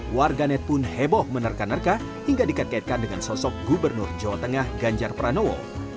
warganet pun heboh menerka nerka hingga dikait kaitkan dengan sosok gubernur jawa tengah ganjar pranowo